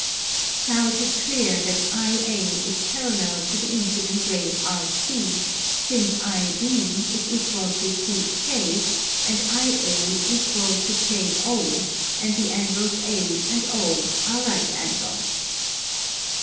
Now it is clear that IA is parallel to the incident ray RC, since IB is equal to CK, and IA equal to KO, and the angles A and O are right angles.